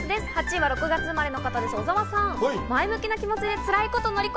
８位は６月生まれの方、小澤さんです。